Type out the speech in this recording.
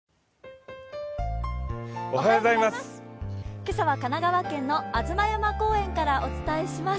今朝は神奈川県の吾妻山公園からお伝えします。